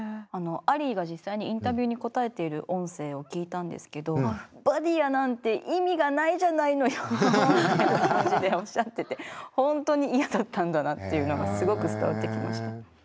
アリーが実際にインタビューに答えている音声を聞いたんですけど「バーディヤー」なんて意味がないじゃないのよっていう感じでおっしゃってて本当に嫌だったんだなっていうのがすごく伝わってきました。